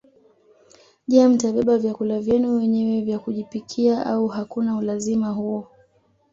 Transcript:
Je mtabeba vyakula vyenu wenyewe vya kujipikia au hakuna ulazima huo